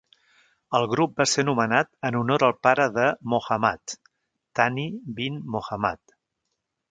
El grup va ser nomenat en honor al pare de Mohammad, Thani bin Mohammad.